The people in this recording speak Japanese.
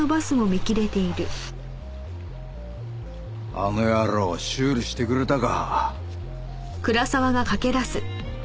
あの野郎修理してくれたか。